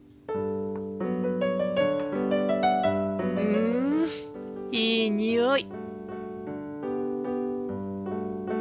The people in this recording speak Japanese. うんいいにおい。